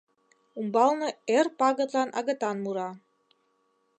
Умбалне эр пагытлан агытан мура.